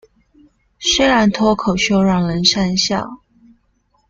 雖然脫口秀讓人訕笑